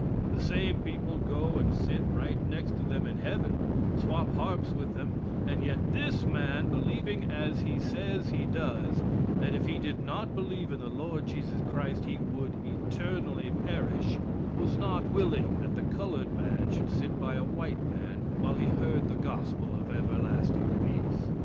The same people go and sit right next to them in heaven, swap harps with them, and yet this man, believing as he says he does, that if he did not believe in the Lord Jesus Christ he would eternally perish, was not willing that the colored man should sit by a white man while he heard the gospel of everlasting peace.